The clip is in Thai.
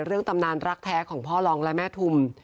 ตำนานรักแท้ของพ่อรองและแม่ทุม